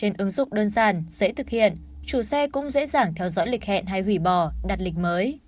trên ứng dụng đơn giản dễ thực hiện chủ xe cũng dễ dàng theo dõi lịch hẹn hay hủy bỏ đặt lịch mới